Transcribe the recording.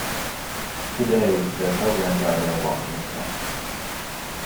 Today, their programs are available on the Internet.